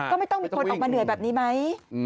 ก็ไม่ต้องมีคนออกมาเหนื่อยแบบนี้ไหม